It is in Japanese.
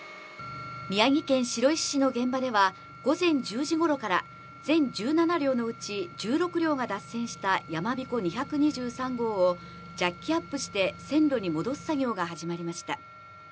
宮城県白石市の現場では午前１０時頃から、全１７両のうち１６両が脱線したやまびこ２２３号をジャッキアップして、線路に戻す作業が始まりました。